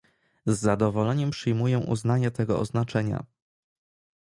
Z zadowoleniem przyjmuję uznanie tego oznaczenia